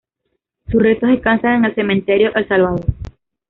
Sus restos descansan en el cementerio El Salvador.